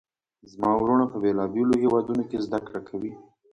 زما وروڼه په بیلابیلو هیوادونو کې زده کړه کوي